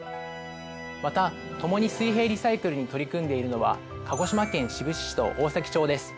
また共に水平リサイクルに取り組んでいるのは鹿児島県志布志市と大崎町です。